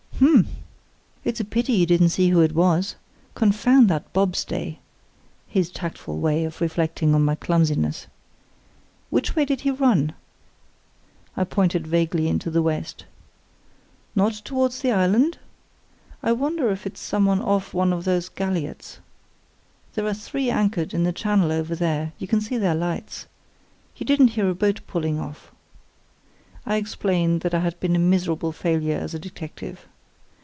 "H'm! It's a pity you didn't see who it was. Confound that bobstay!" (his tactful way of reflecting on my clumsiness); "which way did he run?" I pointed vaguely into the west. "Not towards the island? I wonder if it's someone off one of those galliots. There are three anchored in the channel over there; you can see their lights. You didn't hear a boat pulling off?" I explained that I had been a miserable failure as a detective.